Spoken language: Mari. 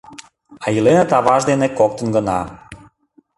А иленыт аваж дене коктын гына.